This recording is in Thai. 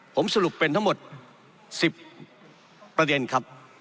ผมสรุปเป็นทั้งหมด๑๐ประเด็นครับ